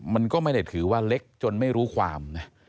มันก็ไม่ได้ถือว่าเล็กจนไม่รู้ความนะ